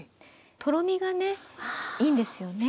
とろみがねいいんですよね。